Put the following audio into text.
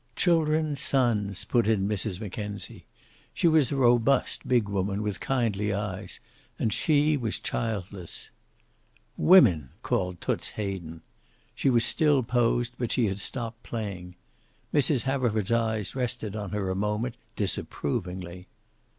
"Children sons," put in Mrs. Mackenzie. She was a robust, big woman with kindly eyes, and she was childless. "Women!" called Toots Hayden. She was still posed, but she had stopped playing. Mrs. Haverford's eyes rested on her a moment, disapprovingly.